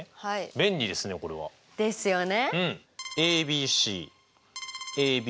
便利ですねこれは。ですよね。